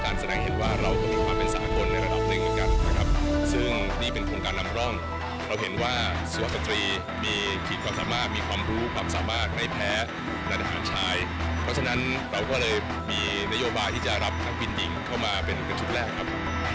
มีความรู้ความสามารถให้แพ้นักอาหารชายเพราะฉะนั้นเราก็เลยมีนโยบาทที่จะรับหนักบินหญิงเข้ามาเป็นกระชุดแรกครับ